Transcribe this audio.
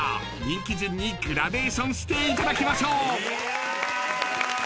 ［人気順にグラデーションしていただきましょう］